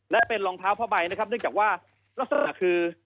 และเป็นรองเท้าผ้าใบนะครับเนื่องจากว่าลักษณะคือ